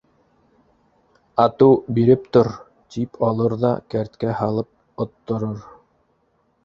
Ату, биреп тор, тип алыр ҙа кәрткә һалып отторор.